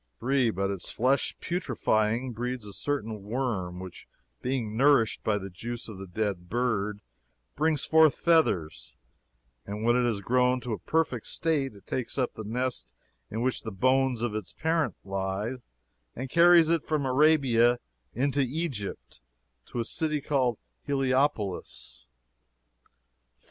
"3. But its flesh, putrefying, breeds a certain worm, which, being nourished by the juice of the dead bird, brings forth feathers; and when it is grown to a perfect state, it takes up the nest in which the bones of its parent lie, and carries it from Arabia into Egypt, to a city called Heliopolis: "4.